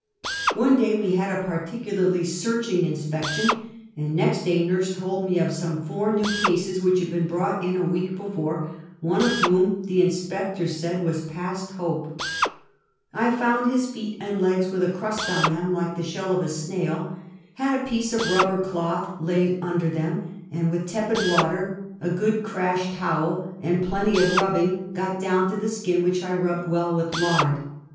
One day we had a particularly searching inspection , and next day nurse told me of some four new cases which had been brought in a week before, one of whom the inspectors said was past hope. I found his 276 Half a Centuky. feet and legs with a crust on them like the shell of a snail; had a piece of rubber cloth laid under them, and with tepid water, a good crash towel, and plenty of rubbing, got down to the skin, which I rubbed Avell with lard.